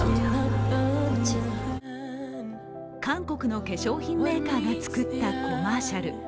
韓国の化粧品メーカーが作ったコマーシャル。